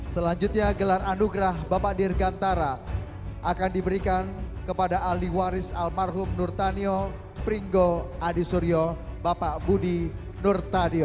selanjutnya gelar anugerah bapak dirgantara akan diberikan kepada aliwaris almarhum nurtanio pringgo adisuryo bapak budi nurtanio